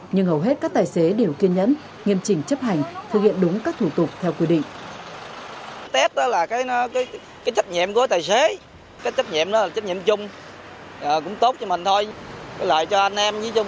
nhưng hầu hết các tài xế đều kiên nhẫn nghiêm trình chấp hành thực hiện đúng các thủ tục theo quy định